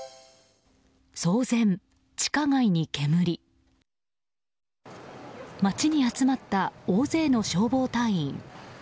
街に集まった大勢の消防隊員。